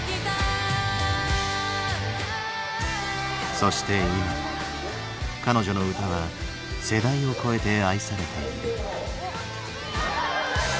そして今彼女の歌は世代を超えて愛されている。